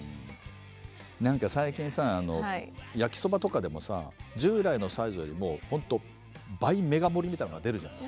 なんか最近さ焼きそばとかでもさ従来のサイズよりも倍メガ盛りみたいなのが出るじゃない。